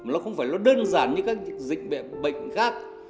nó không phải nó đơn giản như các dịch bệnh khác